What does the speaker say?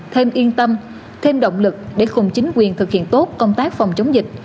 thêm yên tâm thêm động lực để cùng chính quyền thực hiện tốt công tác phòng chống dịch